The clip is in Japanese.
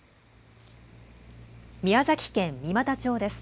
宮崎県三股町です。